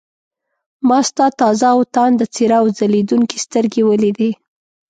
ما ستا تازه او تانده څېره او ځلېدونکې سترګې ولیدې.